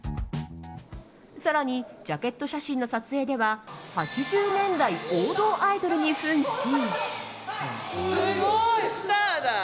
更に、ジャケット写真の撮影では８０年代王道アイドルに扮し。